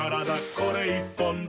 これ１本で」